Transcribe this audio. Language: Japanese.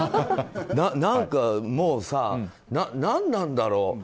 何かもうさ、何なんだろう。